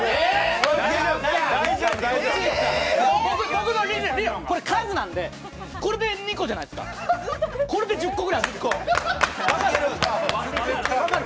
僕の理論、これ、数なのでこれで２個じゃないですか、これで１０個ぐらいある。